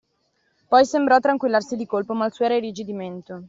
Poi sembrò tranquillarsi di colpo, ma il suo era irrigidimento.